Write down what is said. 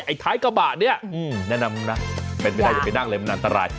ท้ายกระบะเนี่ยแนะนำนะเป็นไปได้อย่าไปนั่งเลยมันอันตราย